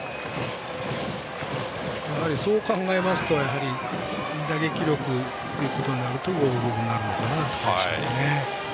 そう考えますと打撃力ということになると五分五分になるのかなという感じですね。